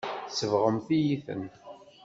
Tsebɣemt-iyi-ten.